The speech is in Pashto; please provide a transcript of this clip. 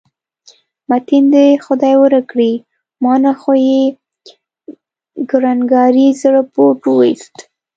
متین دې خدای ورک کړي، ما نه خو یې کړنګاري زړه بوټ وویست.